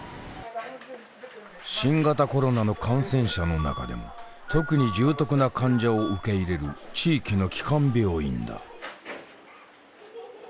新型コロナの感染者の中でも特に重篤な患者を受け入れる地域の基幹病院だ。